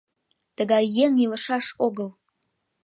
Тыгай еҥ илышаш огыл.